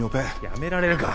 やめられるか。